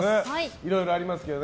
いろいろありますけどね。